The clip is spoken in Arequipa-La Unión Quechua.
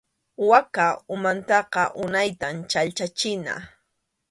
Waka umantaqa unaytam chhallchachina.